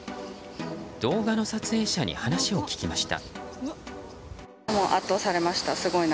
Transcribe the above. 動画の撮影者に話を聞きました。